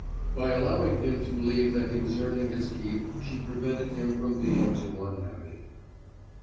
By allowing him to believe that he was earning his keep, she prevented him from being too unhappy.